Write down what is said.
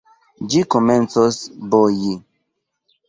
Ĝi komencos boji.